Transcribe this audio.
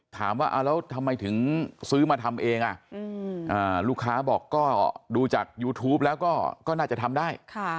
ถามว่าแล้วทำไมถึงซื้อมาทำเองลูกค้าบอกก็ดูจากยูทูปแล้วก็น่าจะทำได้